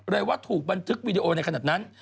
ว่าถูกบันทึกวีดีโอในขณะนั้น